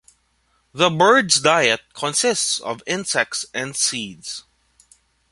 The bird's diet consists of insects and seeds.